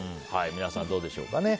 皆さん、どうでしょうかね。